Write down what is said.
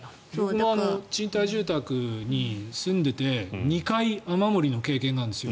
僕も賃貸住宅に住んでいて２回雨漏りの経験があるんですよ。